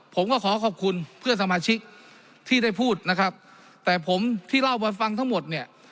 ขอขอบคุณเพื่อนสมาชิกที่ได้พูดนะครับแต่ผมที่เล่ามาฟังทั้งหมดเนี่ย